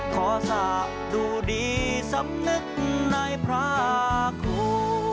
ขอสาบดูดีสำนึกในพระครู